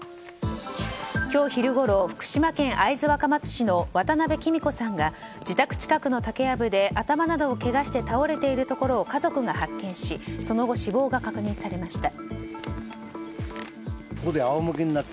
今日昼ごろ福島県会津若松市の渡部キミ子さんが自宅近くの竹やぶで頭などをけがして倒れているところを家族が発見しその後、死亡が確認されました。